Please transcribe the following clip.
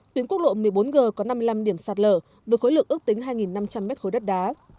tuyến quốc lộ một mươi bốn g có năm mươi năm điểm sạt lở với khối lượng ước tính hai năm trăm linh m ba đất đá